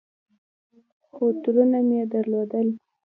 خو ترونه مې درلودل.